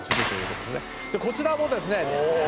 「こちらもですね」